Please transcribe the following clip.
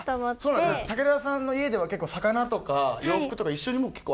武田さんの家では結構魚とか洋服とか一緒にもう結構洗っちゃう。